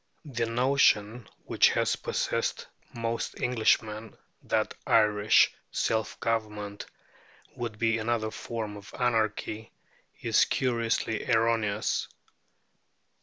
The notion which has possessed most Englishmen, that Irish self government would be another name for anarchy, is curiously erroneous.